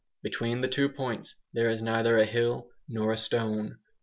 Between the two points there is neither a hill nor a stone.